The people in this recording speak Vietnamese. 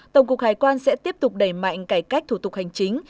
tổng cục hải quan sẽ tiếp tục đẩy mạnh cải cách thủ tục hành chính